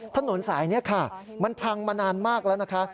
ถนนสายนี้ค่ะมันพังมานานมากแล้วนะคะ